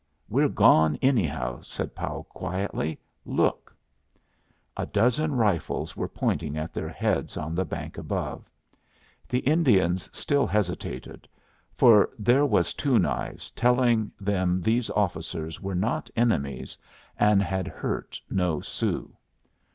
"We're gone, anyhow," said Powell, quietly. "Look!" A dozen rifles were pointing at their heads on the bank above. The Indians still hesitated, for there was Two Knives telling them these officers were not enemies, and had hurt no Sioux.